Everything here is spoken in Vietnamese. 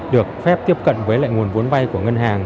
được phép tiếp cận với lại nguồn vốn vay của ngân hàng